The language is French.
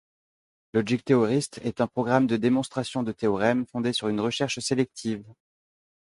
Logic Theorist est un programme de démonstration de théorèmes, fondé sur une recherche sélective.